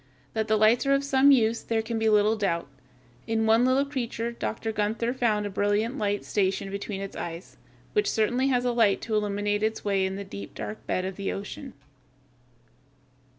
That the lights are of some use there can be little doubt. In one little creature Dr. Gunther found a brilliant light stationed between its eyes, which certainly was a light to illumine its way in the deep, dark bed of the ocean.